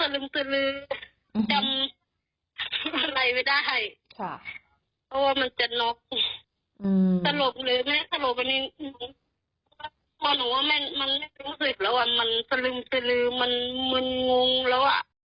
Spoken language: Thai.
ใส่ลบไปหนูมันไม่รู้สึกแล้วมันซึมซึมมันงงแล้ว